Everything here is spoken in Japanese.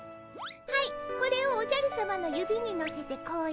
はいこれをおじゃるさまの指にのせてこうやって。